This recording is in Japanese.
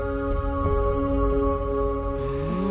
うん！